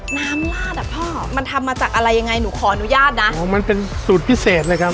ลาดอ่ะพ่อมันทำมาจากอะไรยังไงหนูขออนุญาตนะโอ้มันเป็นสูตรพิเศษเลยครับ